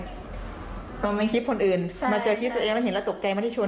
เพราะไม่คิดคนอื่นมาเจอคิดตัวเองแล้วเห็นเราตกไกลมาที่ชน